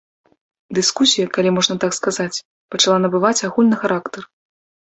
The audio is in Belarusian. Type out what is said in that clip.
Дыскусія, калі можна так сказаць, пачала набываць агульны характар.